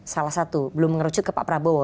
salah satu belum mengerucut ke pak prabowo